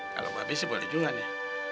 kalau babi sih boleh juga nih